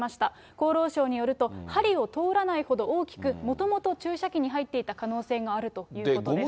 厚労省によると、針を通らないほど大きく、もともと注射器に入っていた可能性があるということです。